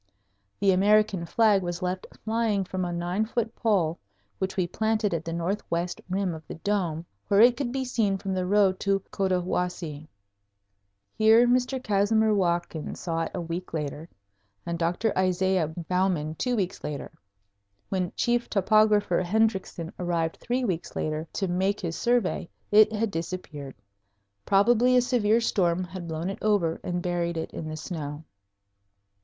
The American flag was left flying from a nine foot pole, which we planted at the northwest rim of the dome, where it could be seen from the road to Cotahuasi. Here Mr. Casimir Watkins saw it a week later and Dr. Isaiah Bowman two weeks later. When Chief Topographer Hendriksen arrived three weeks later to make his survey, it had disappeared. Probably a severe storm had blown it over and buried it in the snow.